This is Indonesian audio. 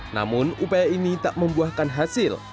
namun upaya ini tak membuahkan hasil